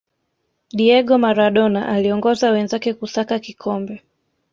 diego maradona aliongoza wenzake kusaka kikombe